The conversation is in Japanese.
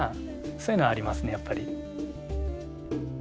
そういうのはありますねやっぱり。